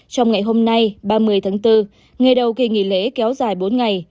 trong ngày hôm nay ba mươi tháng bốn ngày đầu kỳ nghỉ lễ kéo dài bốn ngày